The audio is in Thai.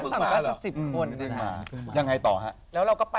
แต่ชั้นเราผ่านก็๑๐คน